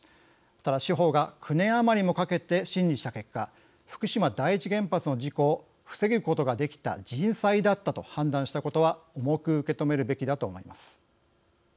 ただ、司法が９年余りもかけて審理した結果福島第一原発の事故を防ぐことができた人災だったと判断したことは重く受け止めるべきだと思います。